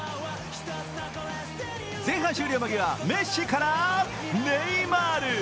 前半終了間際メッシからネイマール。